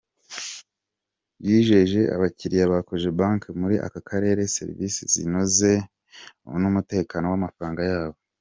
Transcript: Yijeje abakiliya ba Cogebanque muri aka karere serivisi zinoze n’umutekano w’amafaranga yabo.